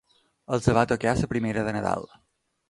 Els va tocar la primera de Nadal.